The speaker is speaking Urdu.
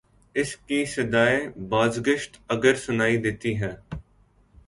اس کی صدائے بازگشت اگر سنائی دیتی ہے۔